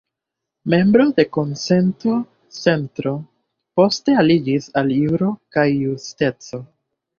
Membro de Konsento-Centro, poste aliĝis al Juro kaj Justeco.